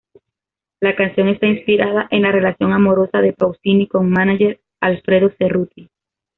La canción está inspirada en la relación amorosa de Pausini con mánager Alfredo Cerruti.